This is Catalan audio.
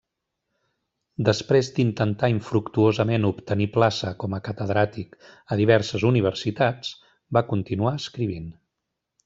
Després d'intentar infructuosament obtenir plaça com a catedràtic a diverses universitats, va continuar escrivint.